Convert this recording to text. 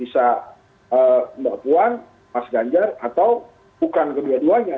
bisa mbak puan mas ganjar atau bukan kedua duanya